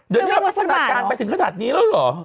เดี๋ยวนี้เราพัฒนาการไปถึงขนาดนี้แล้วเหรอ